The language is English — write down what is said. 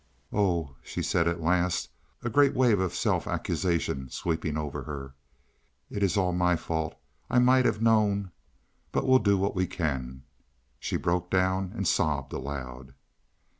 "Oh!" she said at last, a great wave of self accusation sweeping over her, "it is all my fault. I might have known. But we'll do what we can." She broke down and sobbed aloud.